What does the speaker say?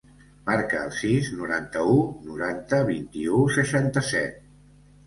Marca el sis, noranta-u, noranta, vint-i-u, seixanta-set.